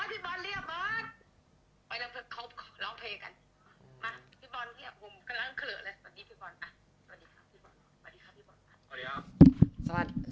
มาพี่บอสเรียกผมกำลังเขลือเลยสวัสดีพี่บอส